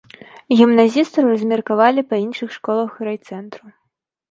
Гімназістаў размеркавалі па іншых школах райцэнтру.